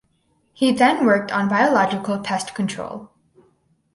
He then worked on biological pest control.